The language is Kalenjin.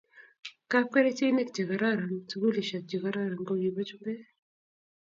kapkerichenik che kororon, sukulisiek che kororon ko kibo chumbek